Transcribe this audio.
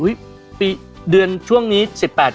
อุ๊ยปีเดือนช่วงนี้๑๘กรกฎานี้